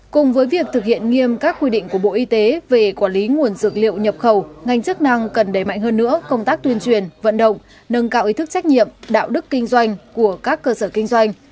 cùng với việc thực hiện nghiêm các quy định của bộ y tế về quản lý nguồn dược liệu nhập khẩu ngành chức năng cần đẩy mạnh hơn nữa công tác tuyên truyền vận động nâng cao ý thức trách nhiệm đạo đức kinh doanh của các cơ sở kinh doanh